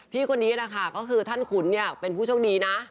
พี่คนนี้นะคะก็คือท่านขุนเนี่ยเป็นผู้โชคดีนะ